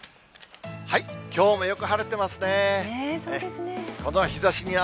きょうもよく晴れてますね。